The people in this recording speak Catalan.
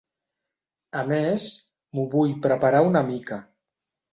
A més, m'ho vull preparar una mica.